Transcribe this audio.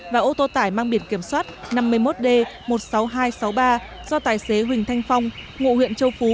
và ô tô tải mang biển kiểm soát năm mươi một d một mươi sáu nghìn hai trăm sáu mươi ba do tài xế huỳnh thanh phong ngụ huyện châu phú